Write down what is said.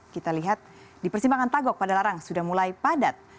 kita lihat di persimpangan tagok pada larang sudah mulai padat